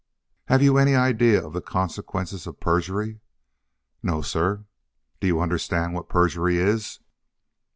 "Have you any idea of the consequences of perjury?" "No, sir." "Do you understand what perjury is?"